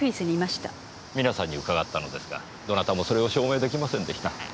皆さんに伺ったのですがどなたもそれを証明できませんでした。